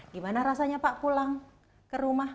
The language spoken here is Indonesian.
gimana rasanya pak pulang ke rumah